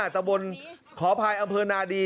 ตะบนขออภัยอำเภอนาดี